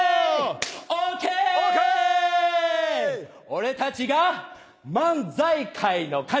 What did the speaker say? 俺たちが漫才界の神！